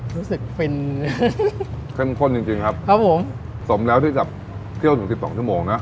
รู้สึกฟินเช่นข้นจริงจริงครับครับผมสมแล้วที่กับเที่ยวสิบสองชั่วโมงนะ